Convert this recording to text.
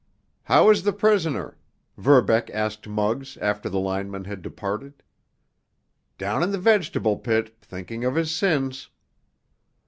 "How is the prisoner?" Verbeck asked Muggs after the lineman had departed. "Down in the vegetable pit, thinking of his sins."